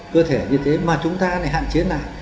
cơ thể như thế mà chúng ta lại hạn chế lại